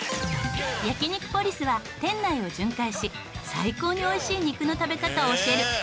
焼肉ポリスは店内を巡回し最高においしい肉の食べ方を教えるプロフェッショナル。